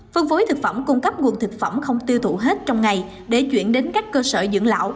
phân phối thực phẩm cung cấp nguồn thực phẩm không tiêu thụ hết trong ngày để chuyển đến các cơ sở dưỡng lão